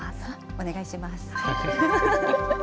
お願いします。